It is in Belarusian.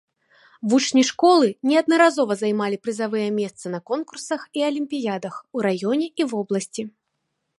Вучні школы неаднаразова займалі прызавыя месцы на конкурсах і алімпіядах у раёне і вобласці.